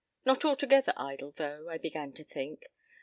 Not altogether idle, though, I began to think.